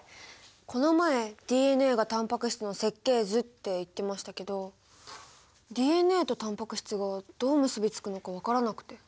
この前ＤＮＡがタンパク質の設計図って言ってましたけどＤＮＡとタンパク質がどう結び付くのか分からなくて。